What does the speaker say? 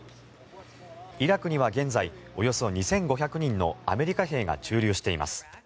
イラクには現在およそ２５００人のアメリカ兵が駐留しています。